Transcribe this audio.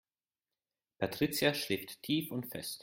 Patricia schläft tief und fest.